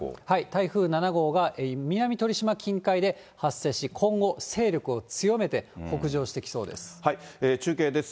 台風７号は、南鳥島近海で発生し、今後、勢力を強めて北上し中継です。